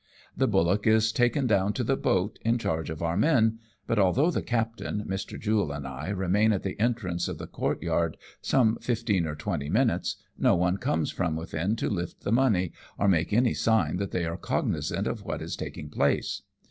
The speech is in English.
The bullock is taken down to the boat in charge of our men ; but, although the captain, Mr. Jule, and I remain at the entrance of the courtyard some fifteen or twenty minutes, no one comes from within to lift the money, or make anj^ sign that they are cognisant of what is taking place.